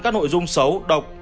các nội dung xấu độc